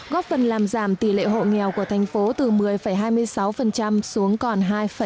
góp phần làm giảm tỷ lệ hộ nghèo của thành phố từ một mươi hai mươi sáu xuống còn hai tám mươi một